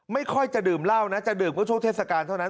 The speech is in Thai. ไม่ค่อยจะดื่มเหล้านะจะดื่มก็ช่วงเทศกาลเท่านั้น